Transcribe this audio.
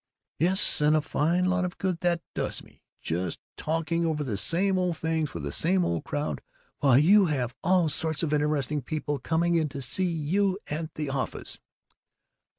"Yes, and a fine lot of good that does me! Just talking over the same old things with the same old crowd, while you have all sorts of interesting people coming in to see you at the office."